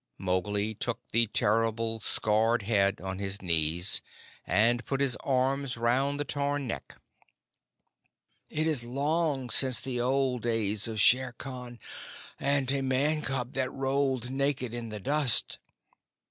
Mowgli took the terrible scarred head on his knees, and put his arms round the torn neck. "It is long since the old days of Shere Khan, and a Man cub that rolled naked in the dust."